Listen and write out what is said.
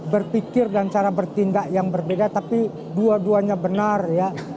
berpikir dan cara bertindak yang berbeda tapi dua duanya benar ya